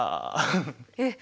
えっ！